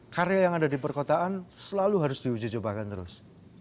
karya yang ada di perkotaan selalu harus diuji cobakan terus